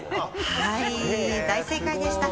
はい、大正解でした。